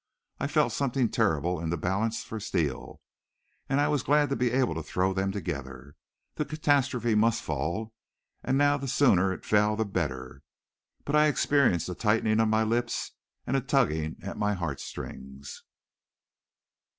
I felt something terrible in the balance for Steele. And I was glad to be able to throw them together. The catastrophe must fall, and now the sooner it fell the better. But I experienced a tightening of my lips and a tugging at my heart strings.